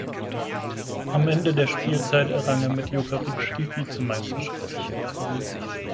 Am Ende der Spielzeit errang er mit Jokerit die Vizemeisterschaft.